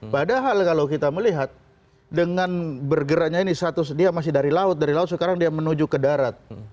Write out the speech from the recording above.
padahal kalau kita melihat dengan bergeraknya ini status dia masih dari laut dari laut sekarang dia menuju ke darat